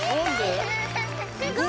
すごーい！